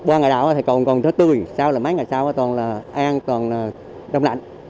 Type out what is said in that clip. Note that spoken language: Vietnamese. qua ngày đầu thì còn thơ tươi sau là mấy ngày sau toàn là an toàn là đông lạnh